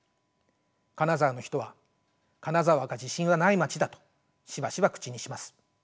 金沢の人は「金沢は地震がない街だ」としばしば口にします。